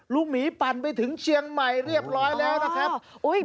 หมีปั่นไปถึงเชียงใหม่เรียบร้อยแล้วนะครับ